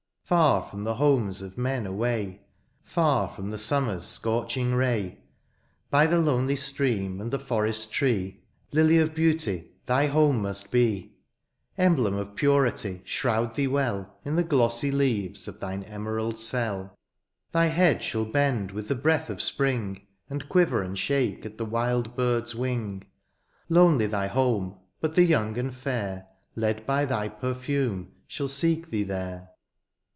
Far from the homes of men away. Far from the sumiQer's scorching ray ; By the lonely stream, and the forest tree, Lily of beauty, thy home must be ; Emblem of purity, ^shroud thee weU In the glossy leaves of thine emerald cell : SPRING TO THE FLOWERS. 155 Thy head shall bend with the breath of springs And quiver and shake at the wild bird^s wing : Lonely thy home^ but the young and fair. Led by thy perfume, shall seek thee there.